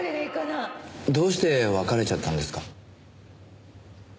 どうして別れちゃったんですか？